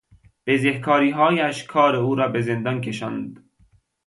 بزهکاریهایش کار او را به زندان کشاند.